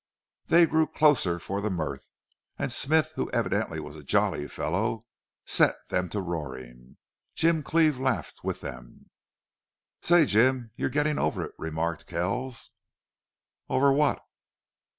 They grew closer for the mirth, and Smith, who evidently was a jolly fellow, set them to roaring. Jim Cleve laughed with them. "Say, Jim, you're getting over it," remarked Kells. "Over what?"